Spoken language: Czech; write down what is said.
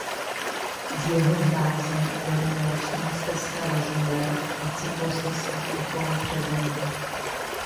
Z jeho hráze vede naučná stezka Rožmberk a cyklostezka Okolo Třeboně.